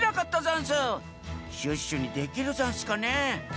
シュッシュにできるざんすかね？